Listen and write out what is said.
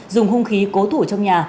dùng hung khí cố thủ trong nhà